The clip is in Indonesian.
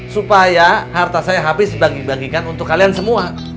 supaya harta saya habis dibagi bagikan untuk kalian semua